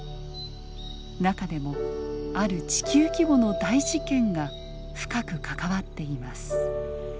中でもある地球規模の大事件が深く関わっています。